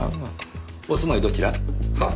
お住まいどちら？は？